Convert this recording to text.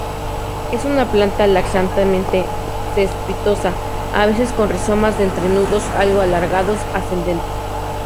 Es una planta laxamente cespitosa, a veces con rizomas de entrenudos algo alargados, ascendentes.